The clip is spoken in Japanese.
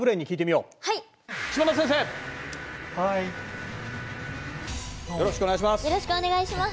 よろしくお願いします。